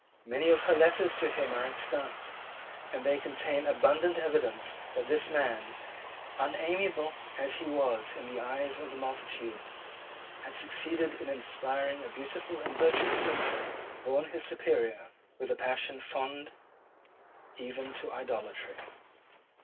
Many of her letters to him are extant; and they contain abundant evidence that this man, unamiable as he was in the eyes of the multitude, had succeeded in inspiring a beautiful and virtuous woman, born his superior, with a passion fond even to idolatry.